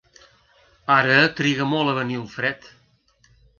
Ara triga molt a venir el fred.